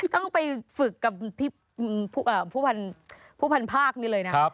ต้องไปฝึกกับผู้พันภาคนี้เลยนะ